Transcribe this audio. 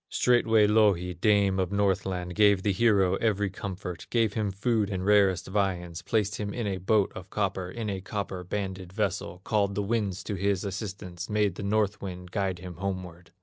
Straightway Louhi, dame of Northland, Gave the hero every comfort, Gave him food and rarest viands, Placed him in a boat of copper, In a copper banded vessel, Called the winds to his assistance, Made the North wind guide him homeward.